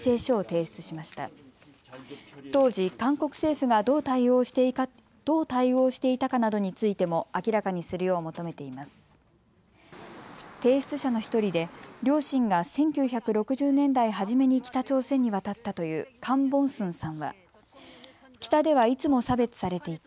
提出者の１人で両親が１９６０年代初めに北朝鮮に渡ったというカン・ボンスンさんは北ではいつも差別されていた。